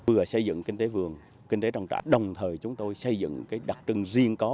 vừa xây dựng kinh tế vườn kinh tế trong xã đồng thời chúng tôi xây dựng đặc trưng riêng có